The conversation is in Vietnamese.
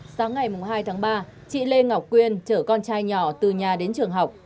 sáng ngày hai tháng ba chị lê ngọc quyên chở con trai nhỏ từ nhà đến trường học